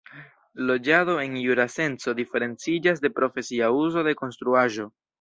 Loĝado en jura senco diferenciĝas de profesia uzo de konstruaĵo.